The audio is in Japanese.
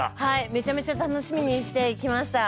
めちゃめちゃ楽しみにしてきました。